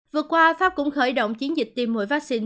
vừa qua pháp cũng khởi động chiến dịch tiêm mũi vaccine